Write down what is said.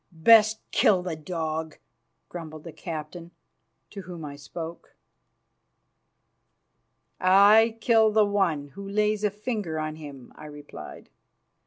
"Best kill the dog," grumbled the captain, to whom I spoke. "I kill that one who lays a finger on him," I replied.